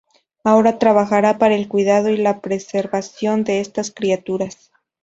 Ahora trabajará para el cuidado y la preservación de estas criaturas.